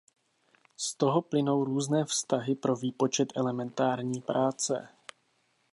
Z toho plynou různé vztahy pro výpočet elementární práce.